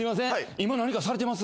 今何かされてます？